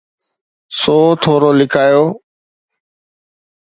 سو ٿورو لڪايو.